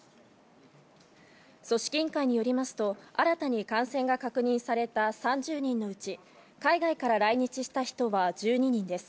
組織委員会によりますと、新たに感染が確認された３０人のうち、海外から来日した人は１２人です。